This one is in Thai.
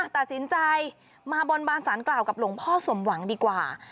ตัดสินใจมาบนบานสารกล่าวกับหลวงพ่อสมหวังดีกว่า